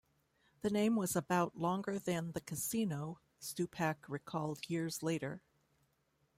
"The name was about longer than the casino," Stupak recalled years later.